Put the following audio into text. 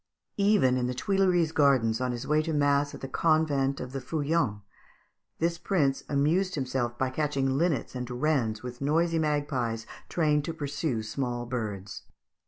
Even in the Tuileries gardens, on his way to mass at the convent of the Feuillants, this prince amused himself by catching linnets and wrens with noisy magpies trained to pursue small birds.